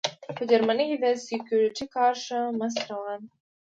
په جرمني کې د سیکیورټي کار ښه مست روان دی